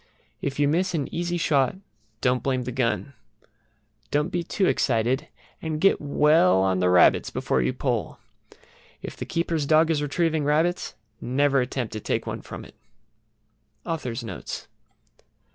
If you miss an easy shot don't blame the gun. Don't be too excited, and get well on the rabbits before you pull. If the keeper's dog is retrieving rabbits never attempt to take one from it. AUTHOR'S NOTES.